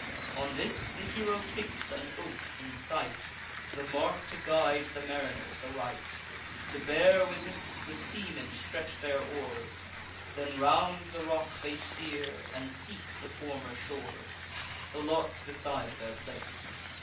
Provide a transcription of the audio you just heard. On this the hero fix'd an oak in sight, The mark to guide the mariners aright. To bear with this, the seamen stretch their oars; Then round the rock they steer, and seek the former shores. The lots decide their place.